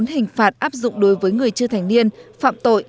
bốn hình phạt áp dụng đối với người chưa thành niên phạm tội